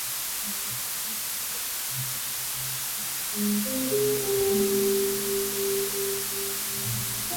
The Castletown River separates the townland from Dundalk town.